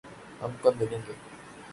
ہم کب ملیں گے؟